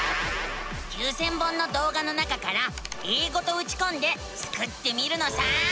９，０００本のどうがの中から「英語」とうちこんでスクってみるのさ！